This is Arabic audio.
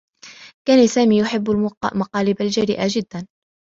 كان سامي يحبّ المقالب الجريئة جدّا.